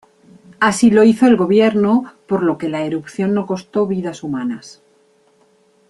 Así lo hizo el gobierno, por lo que la erupción no costó vidas humanas.